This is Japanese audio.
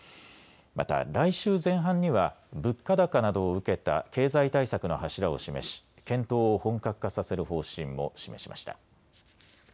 また来週前半には物価高などを受けた経済対策の柱を示し検討を本格化させる方針も示しました。